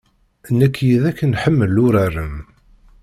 Nekk yid-k nḥemmel uraren.